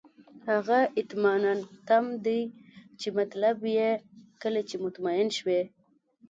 هغه اطماننتم دی چې مطلب یې کله چې مطمئن شوئ.